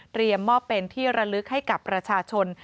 มอบเป็นที่ระลึกให้กับประชาชน